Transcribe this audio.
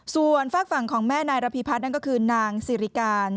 ส่วนฝากฝั่งของแม่นายระพีพัฒน์นั่นก็คือนางสิริการ